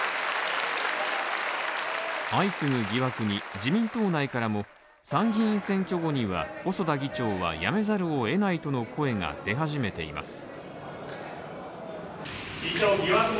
相次ぐ疑惑に自民党内からも、参議院選挙後には細田議長は辞めざるを得ないとの声が出始めています。